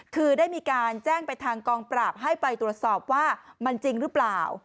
คือได้มีการแจ้งไปทางกองปราบให้ไปตรวจสอบว่ามันจริงหรือเปล่า